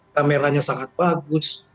kameranya sangat bagus